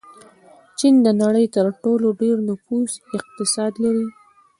چین د نړۍ تر ټولو ډېر نفوس اقتصاد لري.